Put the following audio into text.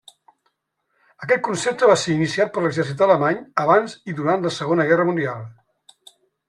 Aquest concepte va ser iniciat per l'exèrcit alemany abans i durant la Segona Guerra Mundial.